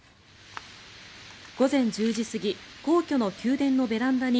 午前１０時過ぎ皇居の宮殿のベランダに